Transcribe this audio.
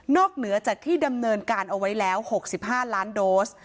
เหนือจากที่ดำเนินการเอาไว้แล้ว๖๕ล้านโดส